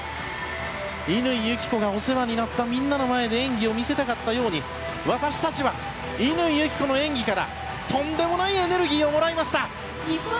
乾友紀子がお世話になったみんなの前で演技を見せたかったように私たちは乾友紀子の演技からとんでもないエネルギーをもらいました。